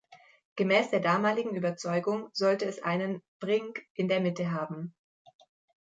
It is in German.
Gemäß der damaligen Überzeugung sollte es einen “brink” in der Mitte haben.